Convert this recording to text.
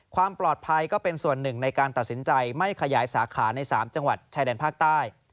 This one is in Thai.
ความปลอดภัยก็เป็นส่วนหนึ่งในการตัดสินใจไม่ขยายสาขาใน๓จังหวัดชายแดนภาคใต้